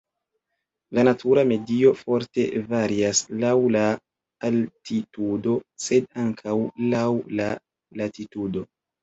La natura medio forte varias laŭ la altitudo sed ankaŭ laŭ la latitudo.